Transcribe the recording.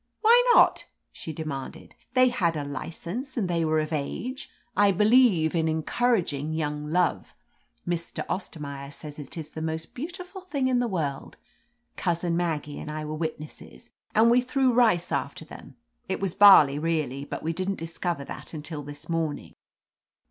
'•Why not?" she demanded. "They had a license, and they were of age. I believe in en couraging yotmg love ; Mr. Ostermaier says it is the most beautiful thing in the world. Cousin Maggie and I were witnesses, and we threw rice after them. It was barley, really, but we didn't discover that until this morning."